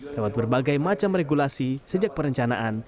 lewat berbagai macam regulasi sejak perencanaan